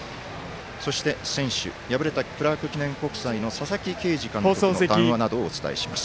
そして、選手、敗れたクラーク記念国際の佐々木啓司監督の談話などをお伝えします。